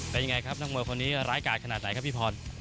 เป็นยังไงครับนักมวยคนนี้ร้ายกาดขนาดไหนครับพี่พร